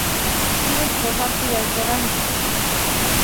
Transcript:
chivas corralpi yaykoranku